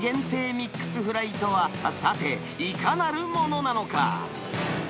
ミックスフライとは、さて、いかなるものなのか。